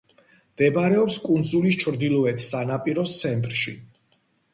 მდებარეობს კუნძულის ჩრდილოეთ სანაპიროს ცენტრში.